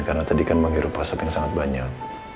karena tadi kan manggil rupa sep yang sangat banyak